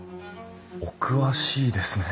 お詳しいですね。